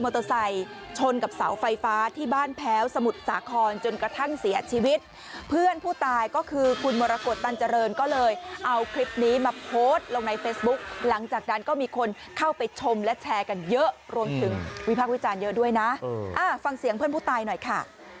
ชนกับเสาไฟฟ้าที่บ้านแพ้วสมุทรสาครจนกระทั่งเสียชีวิตเพื่อนผู้ตายก็คือคุณมรกฏตันเจริญก็เลยเอาคลิปนี้มาโพสต์ลงในเฟซบุ๊กหลังจากนั้นก็มีคนเข้าไปชมและแชร์กันเยอะรวมถึงวิพากษ์วิจารณ์เยอะด้วยนะฟังเสียงเพื่อนผู้ตายหน่อยค่ะ